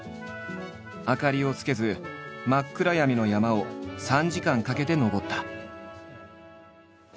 明かりをつけず真っ暗闇の山を３時間かけて登った。